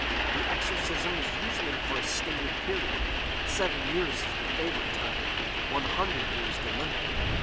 The exorcism is usually for a stated period; seven years is the favourite time; one hundred years the limit.